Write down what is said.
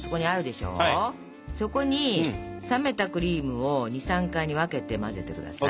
そこに冷めたクリームを２３回に分けて混ぜて下さい。